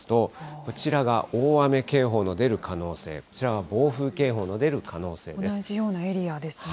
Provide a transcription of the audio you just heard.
こちらが大雨警報の出る可能性、こちらは暴風警報の出る可能性で同じようなエリアですね。